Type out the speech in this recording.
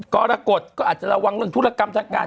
กรกฎก็อาจจะระวังเรื่องธุรกรรมทางการ